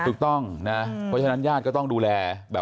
ถูกต้องนะเพราะฉะนั้นญาติก็ต้องดูแลแบบ